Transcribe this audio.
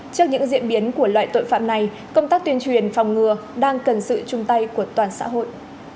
trước những diễn biến của loại tội phạm này công tác tuyên truyền phòng ngừa đang cần sự chung tay của toàn xã hội